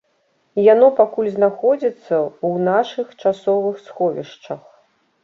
Яно пакуль знаходзіцца ў нашых часовых сховішчах.